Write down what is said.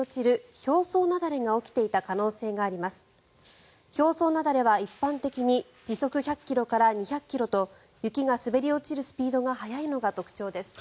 表層雪崩は一般的に時速１００ｋｍから２００ｋｍと雪が滑り落ちるスピードが速いのが特徴です。